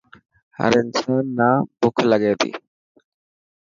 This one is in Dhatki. هر انسان نا بک لگي تي.